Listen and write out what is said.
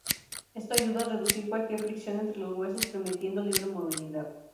Esto ayuda a reducir cualquier fricción entre los huesos permitiendo libre movilidad.